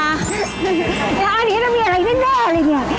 อันนี้จะมีอะไรแน่เลยเนี่ย